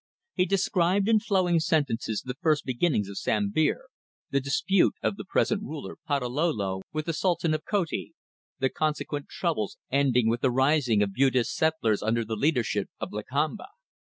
He described in flowing sentences the first beginnings of Sambir, the dispute of the present ruler, Patalolo, with the Sultan of Koti, the consequent troubles ending with the rising of Bugis settlers under the leadership of Lakamba.